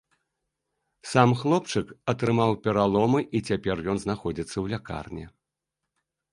Сам хлопчык атрымаў пераломы, і цяпер ён знаходзіцца ў лякарні.